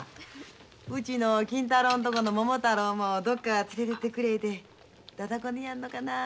うちの金太郎のとこの桃太郎もどこか連れてってくれってだだこねやんのかな。